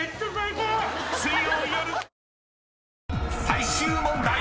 ⁉［最終問題］